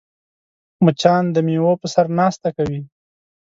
مچان د میوو په سر ناسته کوي